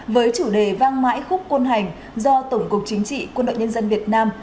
với chủ đề vang mãi khúc quân hành do tổng cục chính trị quân đội nhân dân việt nam